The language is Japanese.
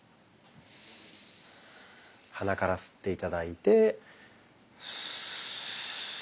鼻から吸って頂いて。